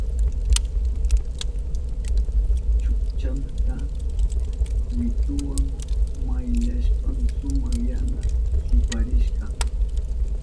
Chukchanta wituwa mayllashpan suma yana kiparishka.